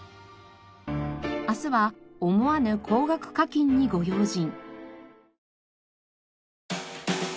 明日は思わぬ高額課金にご用心。